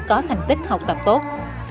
có thành tích học tập tốt